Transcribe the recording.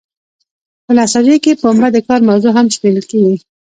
په نساجۍ کې پنبه د کار موضوع هم شمیرل کیږي.